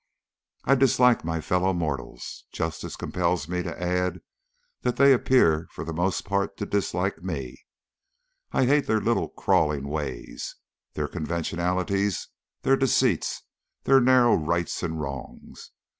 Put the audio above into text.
I dislike my fellow mortals. Justice compels me to add that they appear for the most part to dislike me. I hate their little crawling ways, their conventionalities, their deceits, their narrow rights and wrongs.